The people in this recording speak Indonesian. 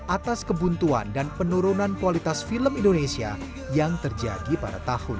atas kebuntuan dan penurunan kualitas film indonesia yang terjadi pada tahun